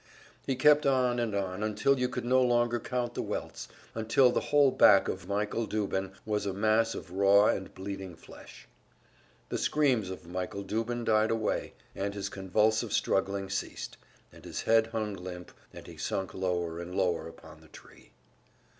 He kept on and on, until you could no longer count the welts, until the whole back of Michael Dubin was a mass of raw and bleeding flesh. The screams of Michael Dubin died away, and his convulsive struggling ceased, and his head hung limp, and he sunk lower and lower upon the tree.